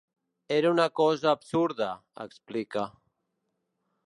Era una cosa absurda, explica.